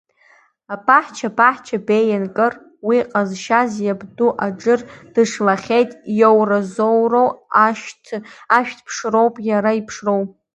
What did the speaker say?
Абаҳча баҳча беиан кыр, уи ҟазҵаз иабду Аџыр дышлахьеит иоуразоуроу, ашәҭ ԥшроуп иара иԥшроу.